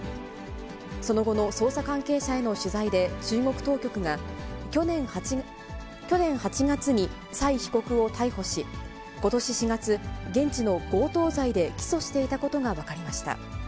その後の捜査関係者への取材で中国当局が、去年８月に斉被告を逮捕し、ことし４月、現地の強盗罪で起訴していたことが分かりました。